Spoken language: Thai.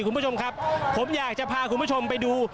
คุณผู้ชมครับผมอยากจะพาคุณผู้ชมไปดู